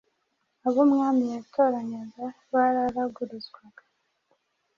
Abo umwami yatoranyaga bararagurizwaga,